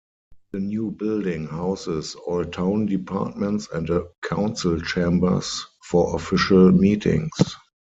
The new building houses all Town Departments, and a Council Chambers for official meetings.